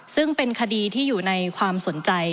ซึ่งเป็นคดีที่อยู่ในความสนใจ